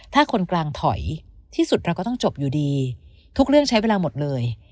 ถ้าคนกลางถอยที่สุดเราก็ต้องจบอยู่ดีทุกเรื่องใช้เวลาหมดเลย